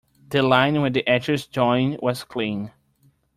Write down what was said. The line where the edges join was clean.